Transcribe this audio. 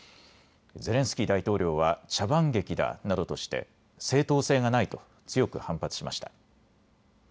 ゼレンスキー大統領は茶番劇だなどとして正当性がないと強く反発しました。